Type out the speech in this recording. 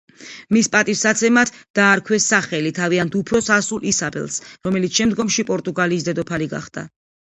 მის პატივსაცემად დაარქვეს სახელი თავიანთ უფროს ასულ ისაბელს, რომელიც შემდგომში პორტუგალიის დედოფალი გახდა.